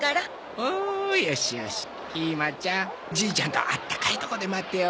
およしよしひまちゃんじいちゃんとあったかいとこで待ってようね。